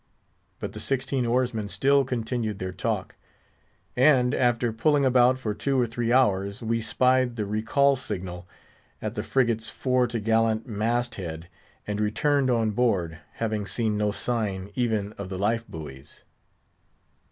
But the sixteen oarsmen still continued their talk; and, after pulling about for two or three hours, we spied the recall signal at the frigate's fore t' gallant mast head, and returned on board, having seen no sign even of the life buoys.